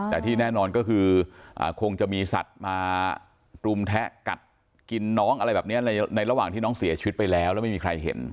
แต่ที่แน่นอนก็คือคงจะมีสัตว์มารุมแทะกัดกินน้องอะไรแบบนี้ในระหว่างที่น้องเสียชีวิตไปแล้วแล้วไม่มีใครเห็น